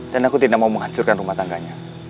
dan aku tidak mau menghancurkan rumah tangganya